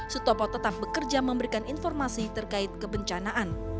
sutopo tetap bekerja memberikan informasi terkait kebencanaan